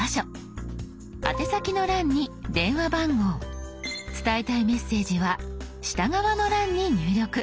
宛先の欄に電話番号伝えたいメッセージは下側の欄に入力。